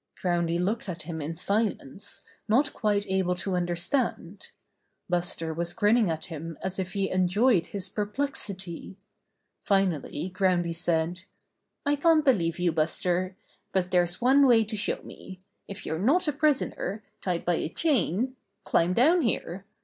Groundy looked at him in silence, not quite able to understand. Buster was grinning at him as if he enjoyed his perplexity. Finally, Groundy said : "I can't believe you, Buster. But there's one way to show me. If you're not a prisoner, tied by a chain, climb down here.